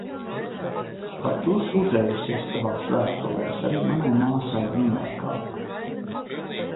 Par to sūdzējusies savās vēstulēs arī manai māsai Ņujorkā.